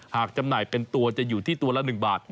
จำหน่ายเป็นตัวจะอยู่ที่ตัวละ๑บาท